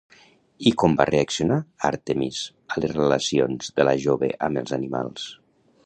I com va reaccionar Àrtemis a les relacions de la jove amb els animals?